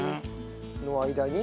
その間に？